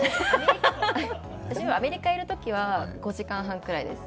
私はアメリカいるときは５時間半くらいです。